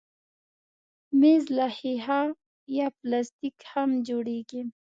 مېز له ښيښه یا پلاستیک هم جوړېږي.